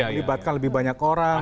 melibatkan lebih banyak orang